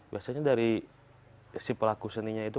biasanya dari si pelaku seninya itu